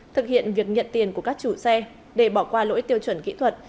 thực hiện việc nhận tiền của các chủ xe để bỏ qua lỗi tiêu chuẩn kỹ thuật